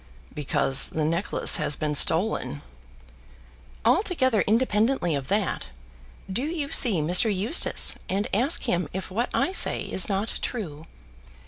"Because the necklace has been stolen." "Altogether independently of that. Do you see Mr. Eustace, and ask him if what I say is not true.